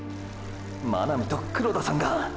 真波と黒田さんが！！